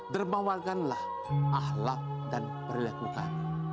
dermawankanlah akhlak dan perlakukan